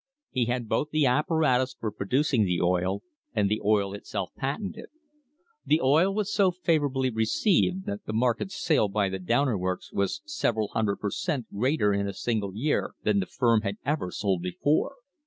He had both the apparatus for producing the oil and the oil itself patented. The oil was so favourably received that the market sale by the Downer works was several hundred per cent, greater in a single year than the firm had ever sold before.